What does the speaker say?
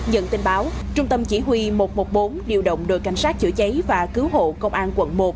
nhận tin báo trung tâm chỉ huy một trăm một mươi bốn điều động đội cảnh sát chữa cháy và cứu hộ công an quận một